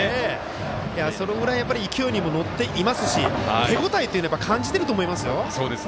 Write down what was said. そのぐらい勢いに乗っていますし手応えも感じていると思いますよ。